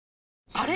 あれ？